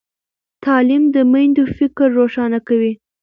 تعلیم د میندو فکر روښانه کوي۔